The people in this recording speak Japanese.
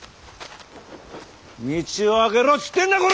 道を空けろっつってんだこら！